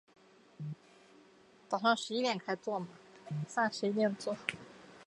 政和六年卒。